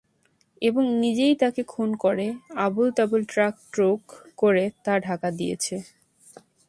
এবং নিজেই তাকে খুন করে, আবলতাবল ট্রাক-ট্রুক করে তা ঢাকা দিয়েছ।